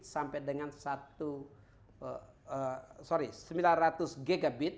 sampai dengan satria tiga